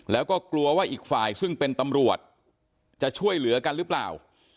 แล้วก็กลัวว่าอีกฝ่ายซึ่งเป็นตำรวจจะช่วยเหลือกันหรือเปล่า